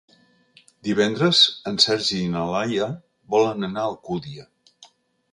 Divendres en Sergi i na Laia volen anar a Alcúdia.